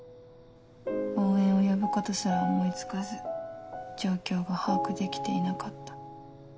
応援を呼ぶことすら思い付かず状況が把握できていなかった」。